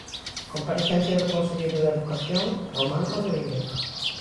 Comparecencia do conselleiro de Educación, Román Rodríguez.